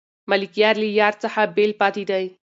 ملکیار له یار څخه بېل پاتې دی.